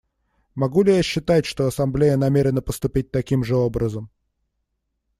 Могу ли я считать, что Ассамблея намерена поступить таким же образом?